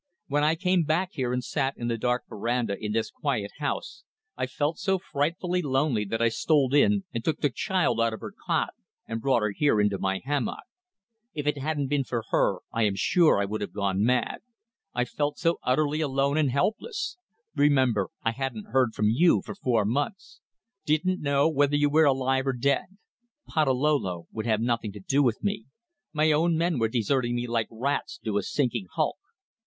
When I came back here and sat in the dark verandah in this quiet house I felt so frightfully lonely that I stole in and took the child out of her cot and brought her here into my hammock. If it hadn't been for her I am sure I would have gone mad; I felt so utterly alone and helpless. Remember, I hadn't heard from you for four months. Didn't know whether you were alive or dead. Patalolo would have nothing to do with me. My own men were deserting me like rats do a sinking hulk.